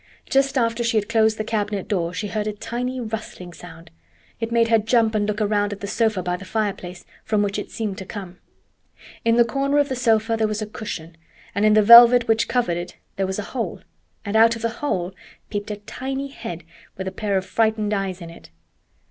Just after she had closed the cabinet door she heard a tiny rustling sound. It made her jump and look around at the sofa by the fireplace, from which it seemed to come. In the corner of the sofa there was a cushion, and in the velvet which covered it there was a hole, and out of the hole peeped a tiny head with a pair of frightened eyes in it.